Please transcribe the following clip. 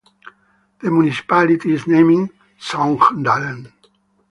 The municipality is named Songdalen.